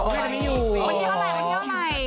วันที่อะไร